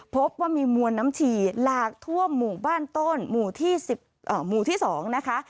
พบว่ามีมวลน้ำฉี่หลากท่วมหมู่บ้านต้นหมู่ที่๒นะคะ